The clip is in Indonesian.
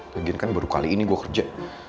lagi kan baru kali ini gue kerja